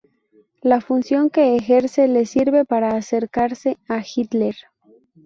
La función que ejerce le sirve para acercarse a Hitler.